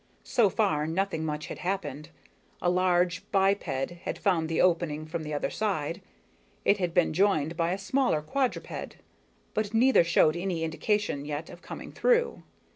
So far, nothing much had happened. A large biped had found the opening from the other side. It had been joined by a smaller quadruped; but neither showed any indication yet of coming through.